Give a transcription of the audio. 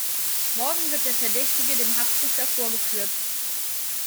Morgen wird der Verdächtige dem Haftrichter vorgeführt.